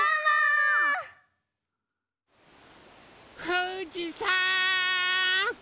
ふじさん！